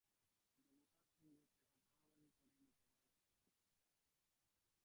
দেবতার সঙ্গে সেটা ভাগাভাগি করে নিতে পারলে সহজ হয়।